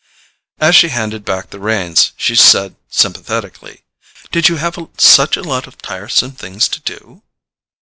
As she handed back the reins, she said sympathetically: "Did you have such a lot of tiresome things to do?"